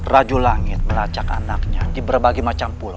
raju langit melacak anaknya di berbagai macam pulau